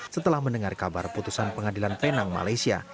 setelah mendengar kabar putusan pengadilan penang malaysia